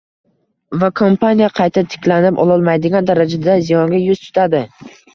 va kompaniya qayta tiklanib ololmaydigan darajada ziyonga yuz tutadi.